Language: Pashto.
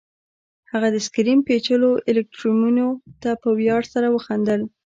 هغه د سکرین پیچلو الګوریتمونو ته په ویاړ سره وخندل